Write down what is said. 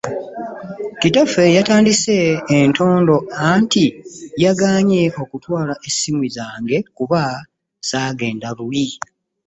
Kitaffe yatandise entondo anti yagaanyi okukwata essimu zange kuba ssaagenda luli.